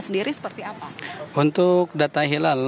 sendiri seperti apa untuk data hilal